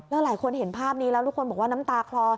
แล้วหลายคนเห็นภาพนี้แล้วทุกคนบอกว่าน้ำตาคลอ